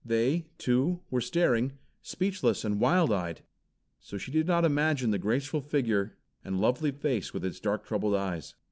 They, too, were staring, speechless and wild eyed. So she did not imagine the graceful figure and lovely face with its dark troubled eyes.